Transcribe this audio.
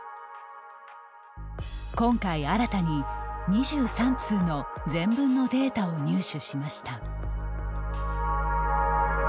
今回、新たに２３通の全文のデータを入手しました。